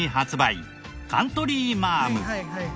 カントリーマアム。